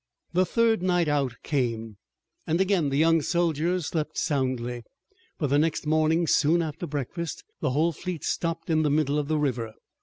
The third night out came, and again the young soldiers slept soundly, but the next morning, soon after breakfast, the whole fleet stopped in the middle of the river.